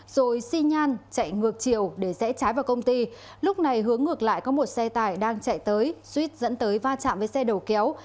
rồi xi nhan chạy ngược chiều để rẽ trái vào công ty lúc này hướng ngược lại có một xe tải đang chạy tới suýt dẫn tới va chạm với xe đầu kéo